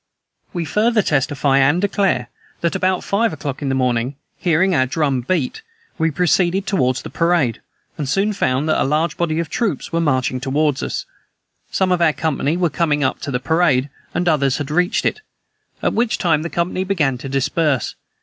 We further testify and declare, that, about five o'clock in the morning, hearing our drum beat, we proceeded toward the parade, and soon found that a large body of troops were marching toward us. Some of our company were coming up to the parade, and others had reached it, at which time the company began to disperse.